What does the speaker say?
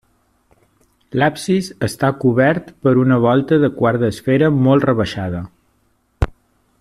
L'absis està cobert per una volta de quart d'esfera molt rebaixada.